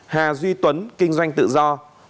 ba hà duy tuấn kinh doanh tự do